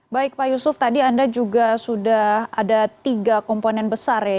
baik pak yusuf tadi anda juga sudah ada tiga komponen besar ya